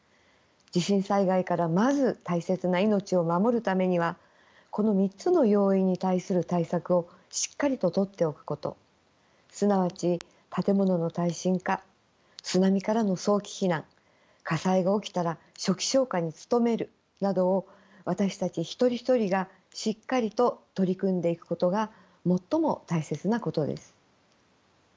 地震災害からまず大切な命を守るためにはこの３つの要因に対する対策をしっかりととっておくことすなわち建物の耐震化津波からの早期避難火災が起きたら初期消火に努めるなどを私たち一人一人がしっかりと取り組んでいくことが最も大切なことです。